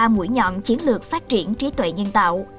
ba mũi nhọn chiến lược phát triển trí tuệ nhân tạo